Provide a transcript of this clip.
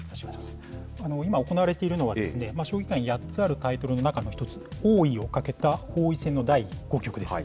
今、行われているのは、将棋界に８つあるタイトルの中の一つ、王位をかけた王位戦の第５局です。